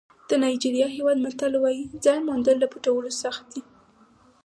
د نایجېریا هېواد متل وایي ځای موندل له پټولو سخت دي.